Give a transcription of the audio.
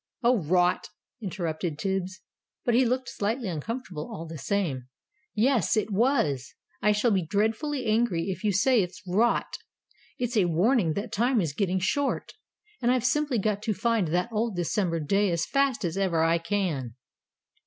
"Oh, rot!" interrupted Tibbs, but he looked slightly uncomfortable all the same. "Yes, it was! I shall be dreadfully angry if you say it's 'rot.' It's a warning that time is getting short, and I've simply got to find that old December day as fast as ever I can."